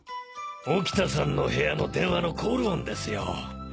沖田さんの部屋の電話のコール音ですよ。